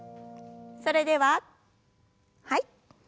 それでははい。